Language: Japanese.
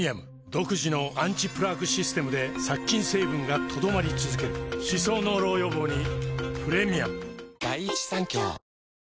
独自のアンチプラークシステムで殺菌成分が留まり続ける歯槽膿漏予防にプレミアム